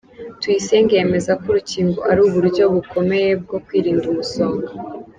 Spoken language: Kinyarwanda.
Tuyisenge yemeza ko urukingo ari uburyo bukomeye bwo kwirinda umusonga.